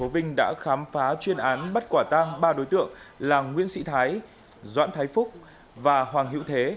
vinh đã khám phá chuyên án bắt quả tang ba đối tượng là nguyễn sĩ thái doãn thái phúc và hoàng hữu thế